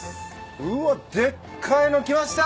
うわでっかいの来ました！